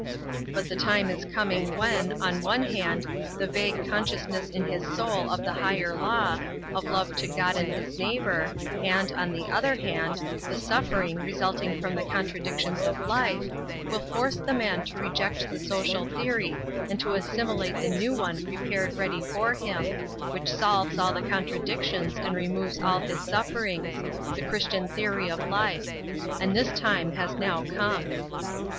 But the time is coming when, on one hand, the vague consciousness in his soul of the higher law, of love to God and his neighbor, and, on the other hand, the suffering, resulting from the contradictions of life, will force the man to reject the social theory and to assimilate the new one prepared ready for him, which solves all the contradictions and removes all his sufferings the Christian theory of life. And this time has now come.